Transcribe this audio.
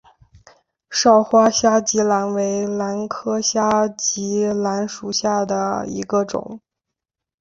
少花虾脊兰为兰科虾脊兰属下的一个种。